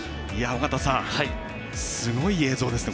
尾方さん、すごい映像ですね。